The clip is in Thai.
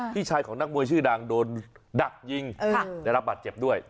พี่ชายของนักมวยชื่อดังโดนดักยิงได้รับบาดเจ็บด้วย